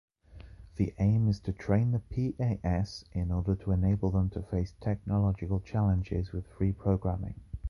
The aim is to train the PAS in order to enable them face technological challenges with free programming.